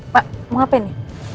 pak mau apa ini